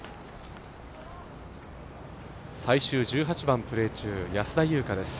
最終１８番プレー中、安田祐香です。